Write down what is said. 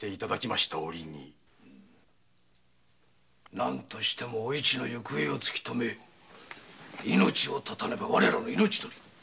何としてもおいちの行方を捜し命を絶たねば我らの命取りに。